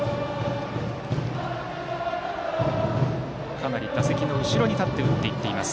かなり打席の後ろに立って打っていっています